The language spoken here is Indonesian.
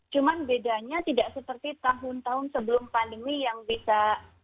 cuma bedanya tidak seperti tahun tahun sebelum pandemi yang bisa